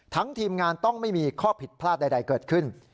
ทีมงานต้องไม่มีข้อผิดพลาดใดเกิดขึ้น